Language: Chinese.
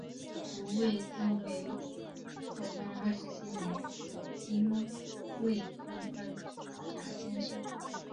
吴慰曾为道光二十七年丁未科二甲进士。